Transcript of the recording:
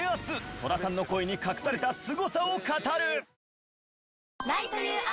戸田さんの声に隠されたスゴさを語る。